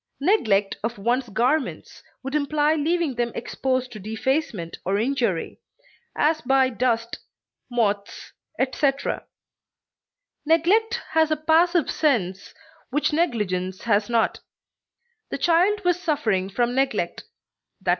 neglect of one's garments would imply leaving them exposed to defacement or injury, as by dust, moths, etc. Neglect has a passive sense which negligence has not; the child was suffering from neglect, _i. e.